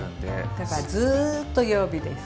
だからずっと弱火です。